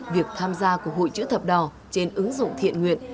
việc tham gia của hội chữ thập đỏ trên ứng dụng thiện nguyện